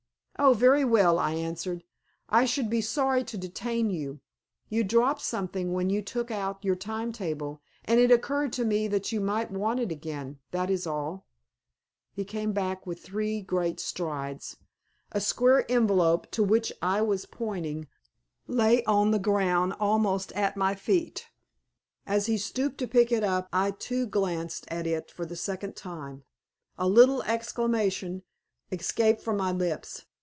"Oh, very well," I answered. "I should be sorry to detain you. You dropped something when you took out your time table, and it occurred to me that you might want it again. That is all." He came back with three great strides. A square envelope, to which I was pointing, lay on the ground almost at my feet. As he stooped to pick it up I too glanced at it for the second time. A little exclamation escaped from my lips.